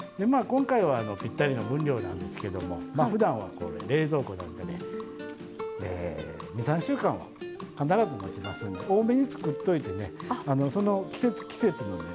今回はぴったりの分量なんですけどもまあふだんはこう冷蔵庫なんかで２３週間は必ずもちますんで多めに作っといてねその季節季節のね